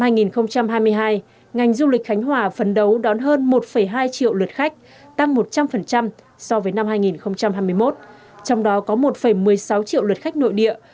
năm hai nghìn hai mươi hai ngành du lịch khánh hòa phấn đấu đón hơn một hai triệu lượt khách tăng một trăm linh so với năm hai nghìn hai mươi một trong đó có một một mươi sáu triệu lượt khách nội địa